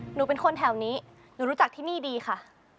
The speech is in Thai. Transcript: หนูเป็นคนแถวนี้หนูรู้จักที่นี่ดีค่ะ